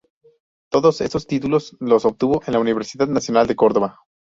Todos estos títulos los obtuvo en la Universidad Nacional de Córdoba.